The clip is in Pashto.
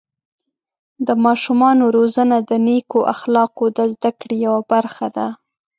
د ماشومانو روزنه د نیکو اخلاقو د زده کړې یوه برخه ده.